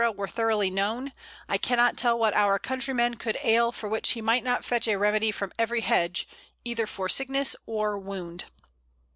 were thoroughly known, I cannot tell what our countryman could ail for which he might not fetch a remedy from every hedge, either for sickness or wound."